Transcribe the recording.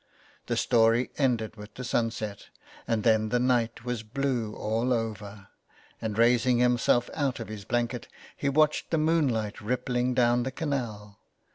The story ended with the sunset and then the night was blue all over, and raising himself out of his blanket, he watched the moon light rippling down the canal.